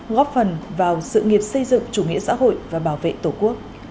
góp phần vào sự nghiệp xây dựng chủ nghĩa xã hội và bảo vệ tổ quốc